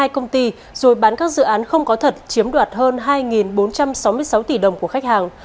các dự án không có thật chiếm đoạt hơn hai bốn trăm sáu mươi sáu tỷ đồng của khách hàng